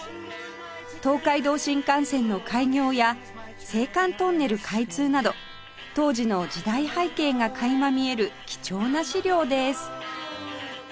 東海道新幹線の開業や青函トンネル開通など当時の時代背景が垣間見える貴重な資料です